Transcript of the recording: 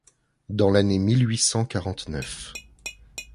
dans l'année mille huit cent quarante-neuf.